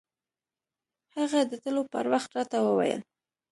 هغه د تلو پر وخت راته وويل.